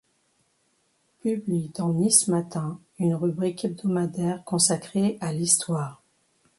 Publie dans Nice-Matin une rubrique hebdomadaire consacrée à l'Histoire.